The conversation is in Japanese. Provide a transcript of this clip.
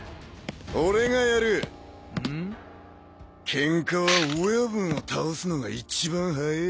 ケンカは親分を倒すのが一番早え。